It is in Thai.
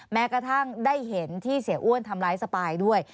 แม้กระทั่งได้เห็นที่เสียอ้วนทำร้ายสปายด้วย